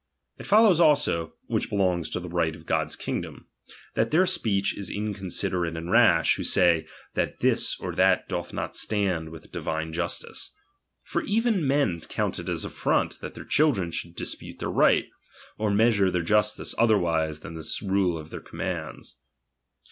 It follows also, (which belongs e to the right of God's kingdom), that their speech p. is incons^iderate and rash, who say, that this or that doth not stand with divine justice. For even men count it an affront that their children should dispute their right, or measure their justice other wise than by the rule of their commands.